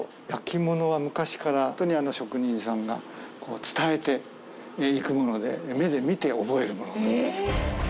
焼き物は昔から本当に職人さんが伝えていくもので、目で見て覚えるものです。